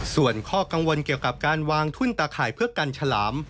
ส่วนข้อกังวลเกี่ยวกับการวางทุ่นตาข่ายเพื่อกันฉลาม